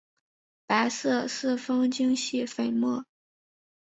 白色四方晶系粉末。